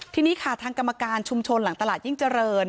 ทีนี้ค่ะทางกรรมการชุมชนหลังตลาดยิ่งเจริญ